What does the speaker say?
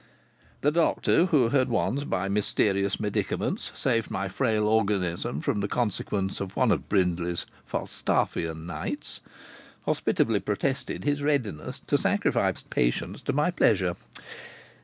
The doctor, who had once by mysterious medicaments saved my frail organism from the consequences of one of Brindley's Falstaffian "nights," hospitably protested his readiness to sacrifice patients to my pleasure.